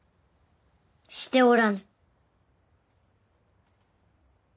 しておらぬ。